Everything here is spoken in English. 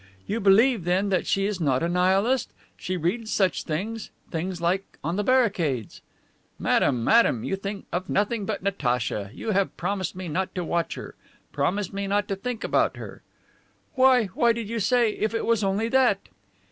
'? You believe, then, that she is not a Nihilist? She reads such things things like on the barricades..." "Madame, madame, you think of nothing but Natacha. You have promised me not to watch her; promise me not to think about her." "Why, why did you say, 'If it was only that!